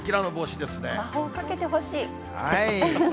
魔法かけてほしい。